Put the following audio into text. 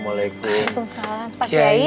waalaikumsalam pak kiai